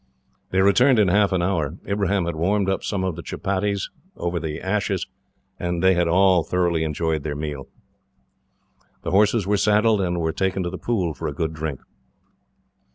They returned in half an hour. Ibrahim had warmed up some of the chupatties, over the ashes, and they all thoroughly enjoyed their meal. The horses were saddled, and were taken to the pool for a good drink.